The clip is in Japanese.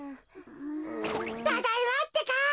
ただいまってか。